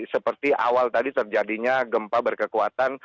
seperti awal tadi terjadinya gempa berkekuatan